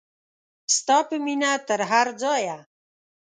ستا په مینه تر هر ځایه.